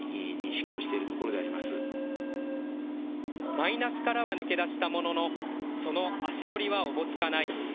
マイナスからは抜け出したもののその足取りはおぼつかない。